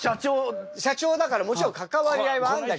社長だからもちろん関わり合いはあんだけど。